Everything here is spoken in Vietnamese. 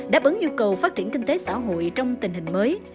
đáp ứng nhu cầu phát triển kinh tế xã hội trong tình hình mới